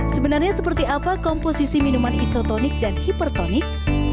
sebenarnya seperti apa komposisi minuman isotonik dan hipertonik